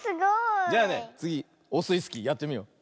じゃあねつぎオスイスキーやってみよう。